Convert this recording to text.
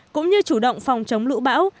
cũng như chủ động phòng chống lũ bão